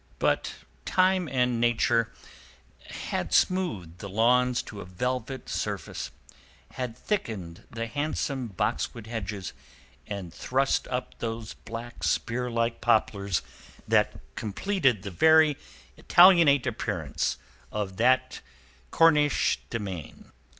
But Time and Nature had smoothed the lawns to a velvet surface, had thickened the handsome boxwood hedges, and thrust up those black spear like poplars that completed the very Italianate appearance of that Cornish demesne.